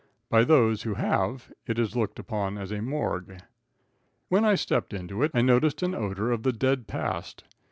By those who have, it is looked upon as a morgue. When I stepped into it, I noticed an odor of the dead past.